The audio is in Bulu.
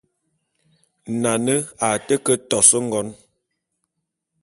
Nane a té ke tos ngon.